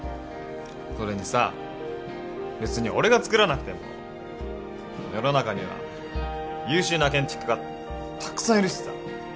それにさ別に俺がつくらなくても世の中には優秀な建築家たくさんいるしさ。